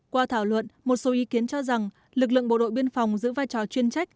qua thảo luận một số ý kiến cho rằng lực lượng bộ đội biên phòng giữ vai trò chuyên trách